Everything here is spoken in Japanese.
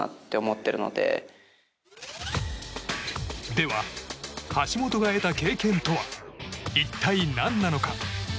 では橋本が得た経験とは一体何なのか。